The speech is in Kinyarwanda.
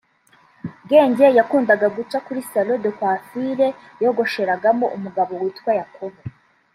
Bwenge yakundaga guca kuri salon de coiffure yogosheragamo umugabo witwa Yakobo